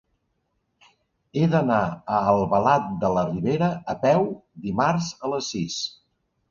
He d'anar a Albalat de la Ribera a peu dimarts a les sis.